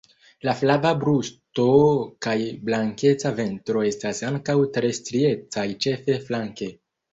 La flava brusto kaj blankeca ventro estas ankaŭ tre striecaj ĉefe flanke.